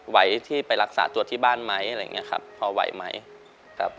ไหวที่ไปรักษาตัวที่บ้านไหมอะไรอย่างเงี้ยครับพอไหวไหมครับ